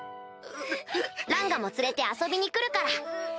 ランガも連れて遊びに来るから。